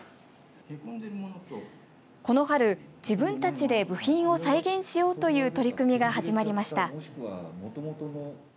この春、自分たちで部品を再現しようという取り組みが始まりました。